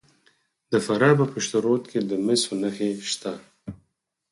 د فراه په پشت رود کې د مسو نښې شته.